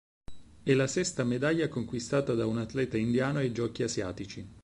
È la sesta medaglia conquistata da un atleta indiano ai Giochi asiatici.